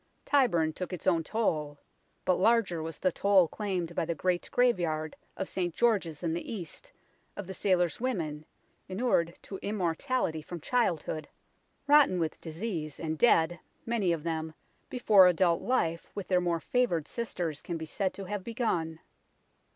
Tyburn took its own toll ; but larger was the toll claimed by the great graveyard of St George 's in the East of the sailors' women, inured to immorality from childhood, rotten with disease 126 UNKNOWN LONDON and dead, many of them, before adult life with their more favoured sisters can be said to have begun.